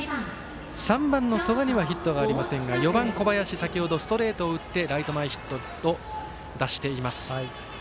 ３番の曽我にはヒットありませんが４番、小林先ほどストレートを打ってライト前ヒットを出しています。